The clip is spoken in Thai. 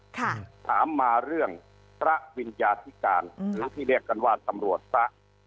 ถามมาเรื่องพระวิญญาธิการหรือที่เรียกกันว่าตำรวจพระ